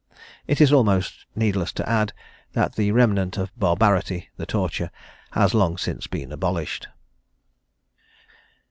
It is almost needless to add, that that remnant of barbarity, the torture, has long since been abolished.